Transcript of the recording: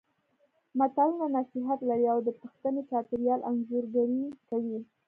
متلونه نصيحت لري او د پښتني چاپېریال انځورګري کوي